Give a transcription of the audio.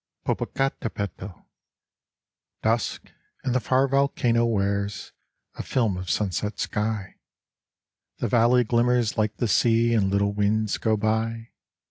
Popocatepetl Dusk, and the far volcano wears A film of sunset sky. The valley glimmers like the sea And little winds go by.